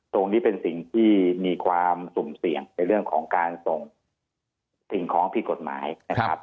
ตรงนี้เป็นสิ่งที่มีความสุ่มเสี่ยงในเรื่องของการส่งสิ่งของผิดกฎหมายนะครับ